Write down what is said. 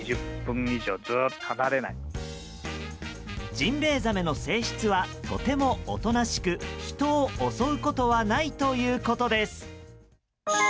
ジンベエザメの性質はとてもおとなしく人を襲うことはないということです。